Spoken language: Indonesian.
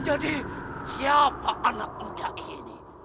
jadi siapa anak muda ini